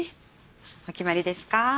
お決まりですか？